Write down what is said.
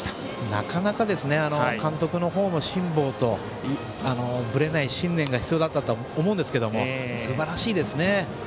なかなか監督の方も辛抱とぶれない信念が必要だったとは思うんですけどもすばらしいですね。